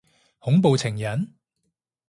恐怖情人？